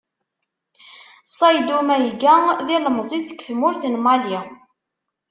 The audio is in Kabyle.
Ṣayddu Mayga d ilemzi seg tmurt n Mali.